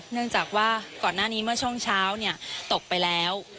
เนื่องจากว่าก่อนหน้านี้เมื่อช่วงเช้าตกไปแล้ว